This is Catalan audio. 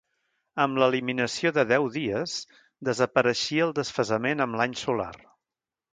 Amb l'eliminació de deu dies desapareixia el desfasament amb l'any solar.